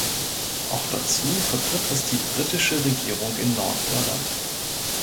Auch dazu vertritt es die britische Regierung in Nordirland.